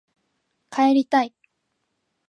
帰りたい